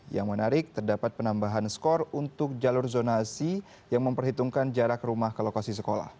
yang menarik terdapat penambahan skor untuk jalur zonasi yang memperhitungkan jarak rumah ke lokasi sekolah